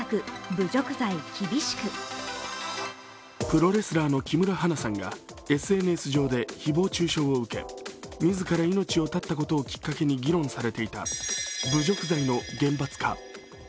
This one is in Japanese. プロレスラーの木村花さんがＳＮＳ上で誹謗中傷を受け、自ら命を絶ったことをきっかけに議論されていた侮辱罪の厳罰化。